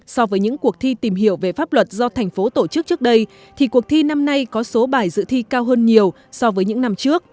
so với những cuộc thi tìm hiểu về pháp luật do thành phố tổ chức trước đây thì cuộc thi năm nay có số bài dự thi cao hơn nhiều so với những năm trước